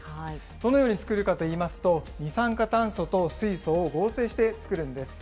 どのように作るかといいますと、二酸化炭素と水素を合成して作るんです。